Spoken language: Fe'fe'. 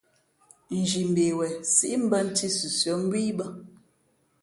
Nzhi mbe wen síʼmbᾱ nthī sʉsʉά mbú ī bᾱ.